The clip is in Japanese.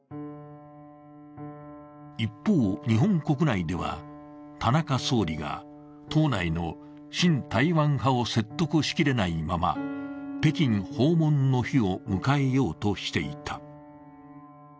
一方、日本国内では田中総理が党内の親台湾派を説得しきれないまま北京訪問の日を迎えようとしていた。